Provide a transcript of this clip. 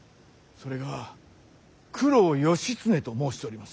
それが九郎義経と申しております。